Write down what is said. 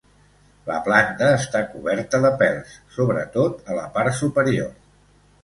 La planta està coberta de pèls, sobretot a la part superior.